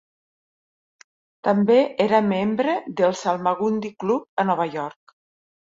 També era membre del Salmagundi Club a Nova York.